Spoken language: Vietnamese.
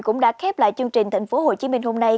cũng đã khép lại chương trình tp hcm hôm nay